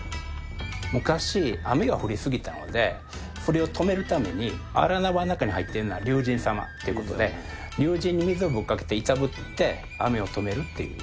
昔、雨が降り過ぎたので、それを止めるために、荒縄の中に入ってるのは龍神様ということで、龍神に水をぶっかけていたぶって雨を止めるっていう。